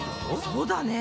そうだね！